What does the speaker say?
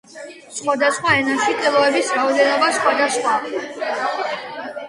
სხვადასხვა ენაში კილოების რაოდენობა სხვადასხვაა.